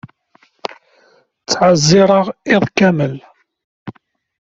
Ttɛeẓẓireɣ iḍ kamel.